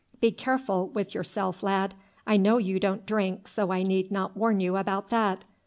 Be careful with your self, lad. I know you don't drink, so I need not warn you about that.